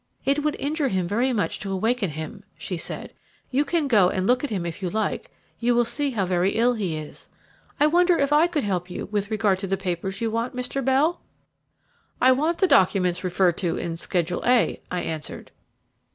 "It would injure him very much to awaken him," she said. "You can go and look at him if you like; you will see how very ill he is. I wonder if I could help you with regard to the papers you want, Mr. Bell?" "I want the documents referred to in Schedule A," I answered.